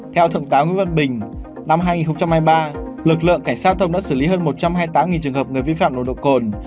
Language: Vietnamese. theo thượng tá nguyễn văn bình năm hai nghìn hai mươi ba lực lượng cảnh sát giao thông đã xử lý hơn một trăm hai mươi tám trường hợp người vi phạm nồng độ cồn